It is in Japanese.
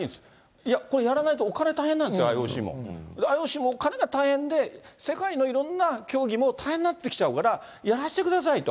いや、これやらないとお金大変なんですよ、ＩＯＣもお金が大変で、世界のいろんな競技も大変になってきちゃうからやらせてくださいと。